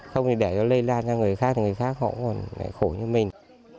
không thì để nó lây lan cho người khác người khác họ còn khổ như mình